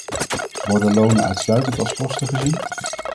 Worden lonen uitsluitend als kosten gezien?